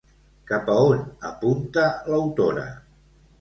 Cap a on apunta l'autora?